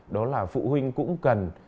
đó là phụ huynh cũng cần